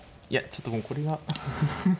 いやちょっともうこれは。